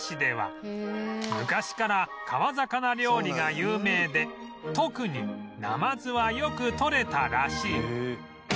昔から川魚料理が有名で特になまずはよくとれたらしい